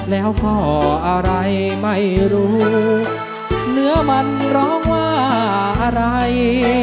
แล้วก็อะไรไม่รู้เนื้อมันร้องว่าอะไร